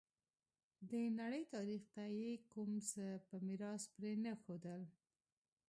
د نړۍ تاریخ ته یې کوم څه په میراث پرې نه ښودل.